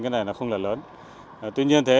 cái này nó không là lớn tuy nhiên thế